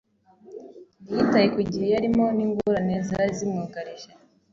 Ntiyitaye ku gihe yarimo n’ingorane zari zimwugarije